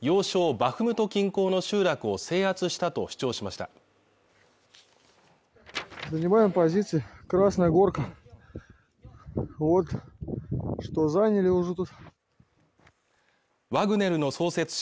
バフムト近郊の集落を制圧したと主張しましたワグネルの創設者